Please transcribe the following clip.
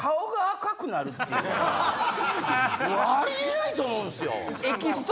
あり得ないと思うんすよ！